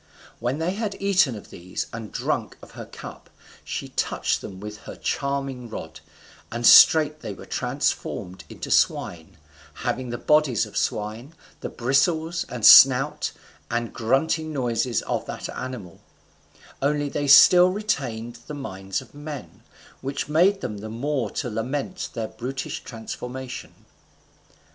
When they had eaten of these, and drunk of her cup, she touched them with her charming rod, and straight they were transformed into swine, having the bodies of swine, the bristles, and snout, and grunting noise of that animal; only they still retained the minds of men, which made them the more to lament their brutish transformation.